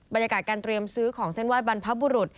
บรรยากาศการเตรียมซื้อของเส้นไห้บรรพบุรุษ